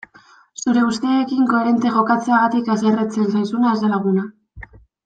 Zure usteekin koherente jokatzeagatik haserretzen zaizuna ez da laguna.